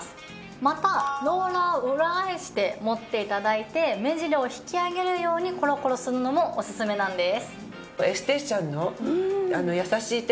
またローラーを裏返して持って頂いて目尻を引き上げるようにコロコロするのもおすすめなんです。